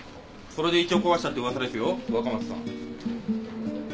それで胃腸壊したって噂ですよ若松さん。